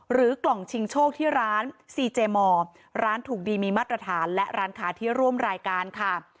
กล่องชิงโชคที่ร้านซีเจมอร์ร้านถูกดีมีมาตรฐานและร้านค้าที่ร่วมรายการค่ะ